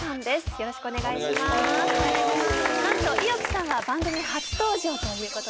よろしくお願いします。